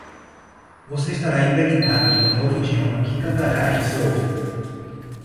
Você estará impregnado em um novo idioma que cantará em seu ouvido.